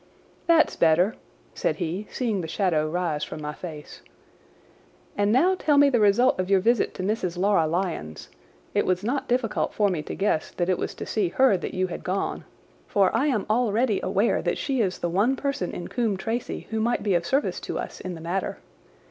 "That's better," said he, seeing the shadow rise from my face. "And now tell me the result of your visit to Mrs. Laura Lyons—it was not difficult for me to guess that it was to see her that you had gone, for I am already aware that she is the one person in Coombe Tracey who might be of service to us in the matter.